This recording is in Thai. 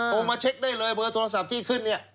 มาเช็คได้เลยเบอร์โทรศัพท์ที่ขึ้นเนี่ย